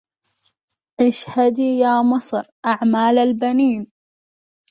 اشهدي يا مصر أعمال البنين